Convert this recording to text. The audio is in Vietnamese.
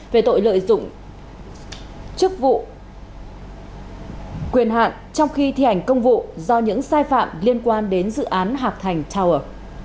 về tội lợi dụng chức vụ quyền hạn trong khi thi hành công vụ do những sai phạm liên quan đến dự án hạc thành tower